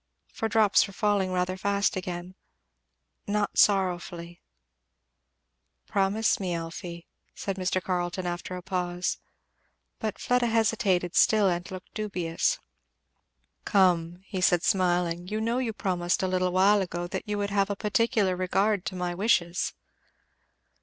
for drops were falling rather fast again, " not sorrowfully." "Promise me, Elfie," said Mr. Carleton after a pause. But Fleda hesitated still and looked dubious. "Come! " he said smiling, "you know you promised a little while ago that you would have a particular regard to my wishes."